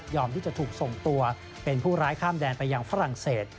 ที่จะถูกส่งตัวเป็นผู้ร้ายข้ามแดนไปยังฝรั่งเศส